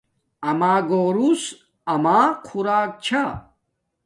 اما گوروس اما خوراک چھا